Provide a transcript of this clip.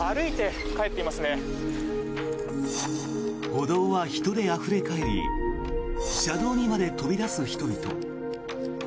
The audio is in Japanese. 歩道は人であふれ返り車道にまで飛び出す人々。